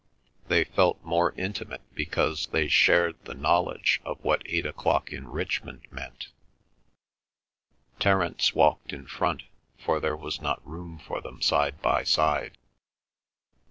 They felt more intimate because they shared the knowledge of what eight o'clock in Richmond meant. Terence walked in front, for there was not room for them side by side.